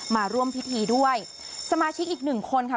มาร่วมพิธีด้วยสมาชิกอีกหนึ่งคนค่ะ